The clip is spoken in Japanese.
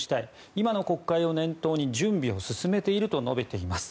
今の国会を念頭に準備を進めていると述べています。